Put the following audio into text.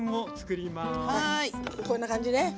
こんな感じね。